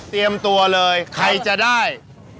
เตรียมตัวเลยใครจะได้